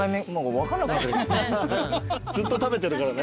ずっと食べてるからね。